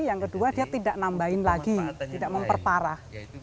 yang kedua dia tidak nambahin lagi tidak memperparah